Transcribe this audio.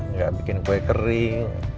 nggak bikin kue kering